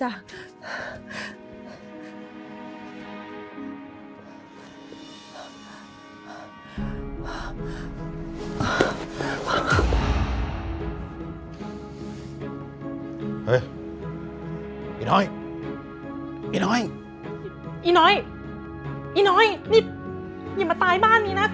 เฮ้ยอีน้อยอีน้อยอีน้อยอีน้อยนี่อย่ามาตายบ้านนี้นะคะ